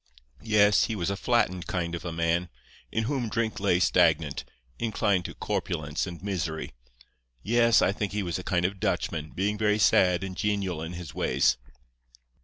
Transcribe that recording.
Yes, he was a flattened kind of a man, in whom drink lay stagnant, inclined to corpulence and misery. Yes, I think he was a kind of Dutchman, being very sad and genial in his ways.